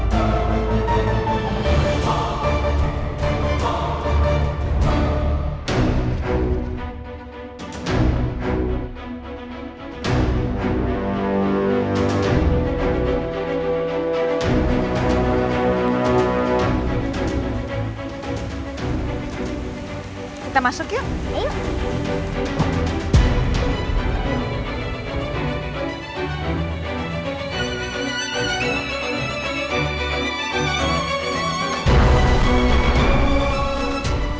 kita masuk yuk